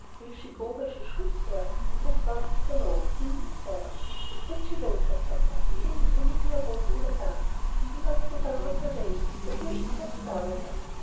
"Will she go where she should, sir?" Chris wanted to know, leaning forward. "That she will, Christopher!" came the familiar voice in the dark. "And we must get out of her way, for here she comes down at us.